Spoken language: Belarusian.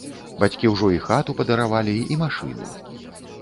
Бацькі ўжо і хату падаравалі і машыну.